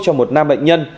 cho một nam bệnh nhân